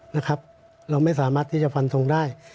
นะครับเราไม่สามารถที่จะฟันทงได้